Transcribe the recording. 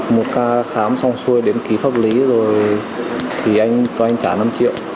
một ca khám xong xuôi đến ký pháp lý rồi thì anh cho anh trả năm triệu